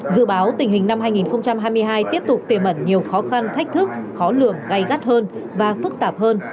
dự báo tình hình năm hai nghìn hai mươi hai tiếp tục tiềm ẩn nhiều khó khăn thách thức khó lường gây gắt hơn và phức tạp hơn